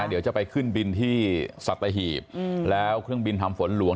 เดี๋ยวจะไปขึ้นบินที่สัตหีบแล้วเครื่องบินทำฝนหลวง